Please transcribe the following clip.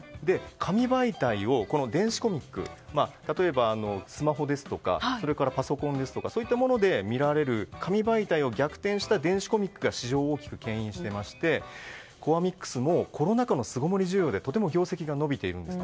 紙媒体を、電子コミック例えばスマホですとかパソコンですとかそういったもので見られる紙媒体を逆転した電子コミックが市場を大きくけん引していましてコアミックスもコロナ禍の巣ごもり需要でとても業績が伸びているんです。